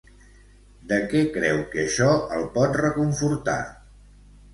De què creu que això el pot reconfortar?